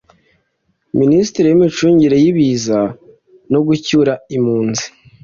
Minisitiri w’Imicungire y’ibiza no Gucyura impunzi